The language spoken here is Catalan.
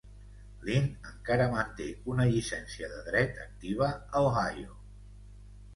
Lynd encara manté una llicència de dret activa a Ohio.